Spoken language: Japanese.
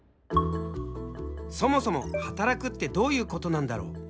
そもそも働くってどういうことなんだろう？